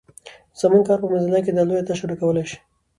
زموږ کار په موزیلا کې دا لویه تشه ډکولای شي.